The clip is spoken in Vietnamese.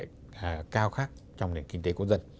công nghệ cao khác trong nền kinh tế của dân